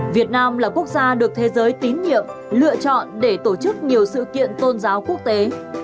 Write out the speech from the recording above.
việt nam là quốc gia được thế giới tín nhiệm lựa chọn để tổ chức nhiều sự kiện tôn giáo quốc tế